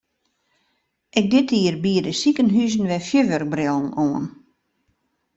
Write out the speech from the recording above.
Ek dit jier biede sikehuzen wer fjurwurkbrillen oan.